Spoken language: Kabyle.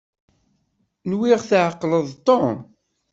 Nwiɣ tɛeqleḍ-d Tom.